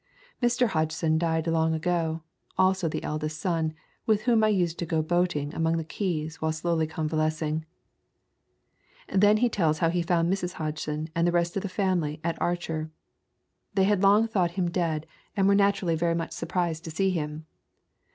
Mr. Hodgson died long ago, also the eldest son, with whom I used to go boating among the keys while slowly convalescing." He then tells how he found Mrs. Hodgson and the rest of the family at Archer. They had long thought him dead and were naturally very [ xxii J Introduction much surprised to see him.